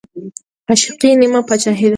عاشقي نيمه باچاهي ده